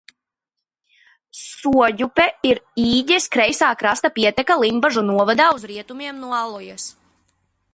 Soģupe ir Īģes kreisā krasta pieteka Limbažu novadā uz rietumiem no Alojas.